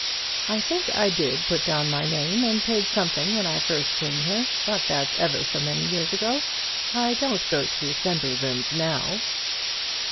I think I did put down my name and paid something when I first came here, but that's ever so many years ago. I don't go to the assembly rooms now."